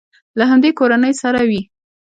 له همدې کورنۍ سره وي.